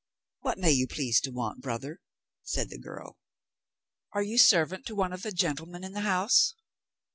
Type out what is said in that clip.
"What may you please to want, brother?" said the girl. "Are you servant to one of the gentlemen in the house?"